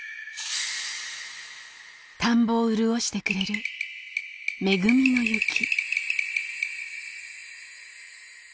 田んぼを潤してくれる恵みの雪。